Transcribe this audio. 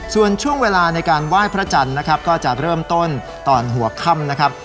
ส่วนช่วงเวลาในการไหว้พระจันทร์นะครับก็จะเริ่มต้นตอนหัวค่ำนะครับ